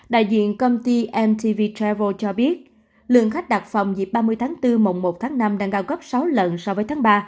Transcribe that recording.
đại diện công ty mtv travel cho biết lượng khách đặt phòng dịp ba mươi tháng bốn mùng một tháng năm đang cao gấp sáu lần so với tháng ba